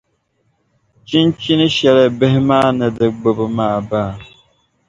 Chinchini shɛli bihi maa ni di gbubi maa baa?